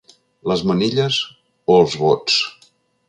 Les manilles o els vots?